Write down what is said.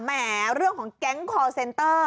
แหมเรื่องของแก๊งคอร์เซนเตอร์